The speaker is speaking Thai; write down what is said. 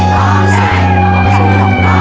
โตเจย